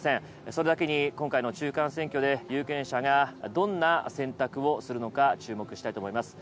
それだけに今回の中間選挙で有権者がどんな選択をするのか注目したいと思います。